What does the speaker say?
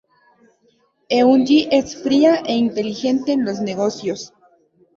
Eun Gi es fría e inteligente en los negocios.